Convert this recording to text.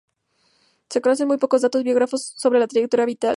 Se conocen muy pocos datos biográficos sobre su trayectoria vital.